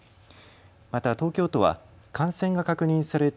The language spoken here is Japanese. また東京都は感染が確認された